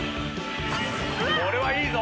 これはいいぞ。